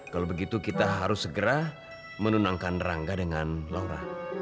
kalau begitu kita harus segera menenangkan rangga dengan laura